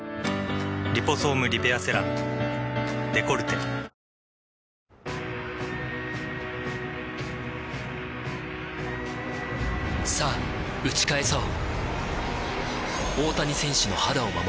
「リポソームリペアセラムデコルテ」さぁ打ち返そう